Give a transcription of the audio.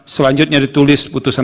selanjutnya ditulis putusan